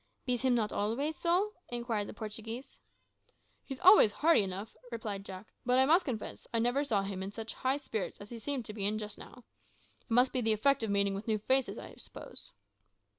"Bees him not always so?" inquired the Portuguese. "He's always hearty enough," replied Jack, "but I must confess I never saw him in such high spirits as he seems to be in just now. It must be the effect of meeting with new faces, I suppose."